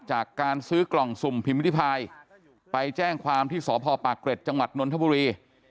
จากการซื้อกล่องสุ่มพิมพิธิพายไปแจ้งความที่สพปากเกร็ดจังหวัดนนทบุรี